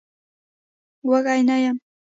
وږی نه يم.